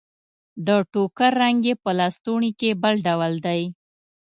د ټوکر رنګ يې په لستوڼي کې بل ډول دی.